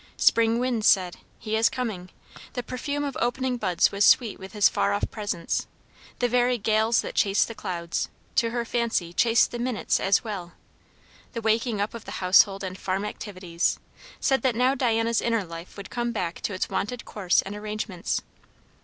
Spring winds said, "He is coming;" the perfume of opening buds was sweet with his far off presence; the very gales that chased the clouds, to her fancy chased the minutes as well; the waking up of the household and farm activities, said that now Diana's inner life would come back to its wonted course and arrangements.